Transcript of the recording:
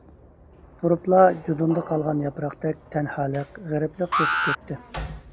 تۇرۇپلا جۇدۇندا قالغان ياپراقتەك تەنھالىق، غېرىبلىق بېسىپ كەتتى.